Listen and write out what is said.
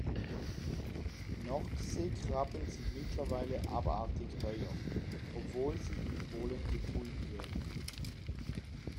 Nordseekrabben sind mittlerweile abartig teuer, obwohl sie in Polen gepult werden.